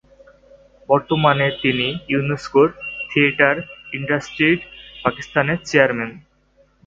বর্তমানে তিনি UNESCO theatre institute পাকিস্তানের চেয়ারম্যান।